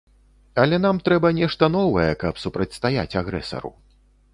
Але нам трэба нешта новае, каб супрацьстаяць агрэсару.